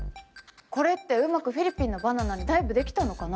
これってうまくフィリピンのバナナにダイブできたのかな？